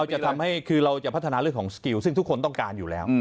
จะทำให้คือเราจะพัฒนาเรื่องของสกิลซึ่งทุกคนต้องการอยู่แล้ว